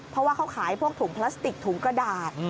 เพราะว่าเขาขายพวกถุงพลาสติกถุงกระดาษ